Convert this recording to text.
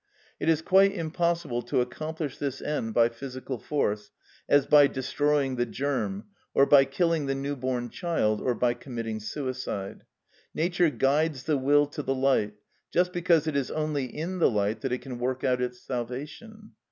It is quite impossible to accomplish this end by physical force, as by destroying the germ, or by killing the new born child, or by committing suicide. Nature guides the will to the light, just because it is only in the light that it can work out its salvation.